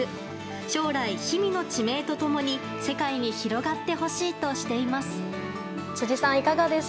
将来、氷見の地名とともに世界に広がってほしいとしています。